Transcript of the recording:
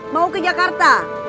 mau ke jakarta